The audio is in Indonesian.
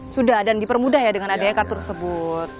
sudah dan dipermudah ya dengan adekat tersebut